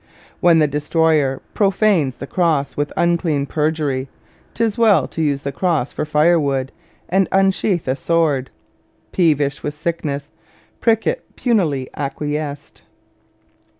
When the destroyer profanes the Cross with unclean perjury, 'tis well to use the Cross for firewood and unsheath a sword. Peevish with sickness, Prickett punily acquiesced.